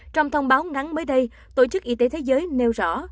trong thông báo nắng mới đây tổ chức y tế thế giới nêu rõ